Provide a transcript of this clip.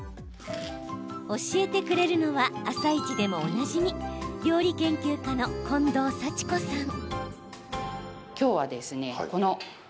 教えてくれるのは「あさイチ」でもおなじみ料理研究家の近藤幸子さん。